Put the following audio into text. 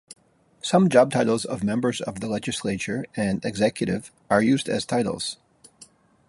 Some job titles of members of the legislature and executive are used as titles.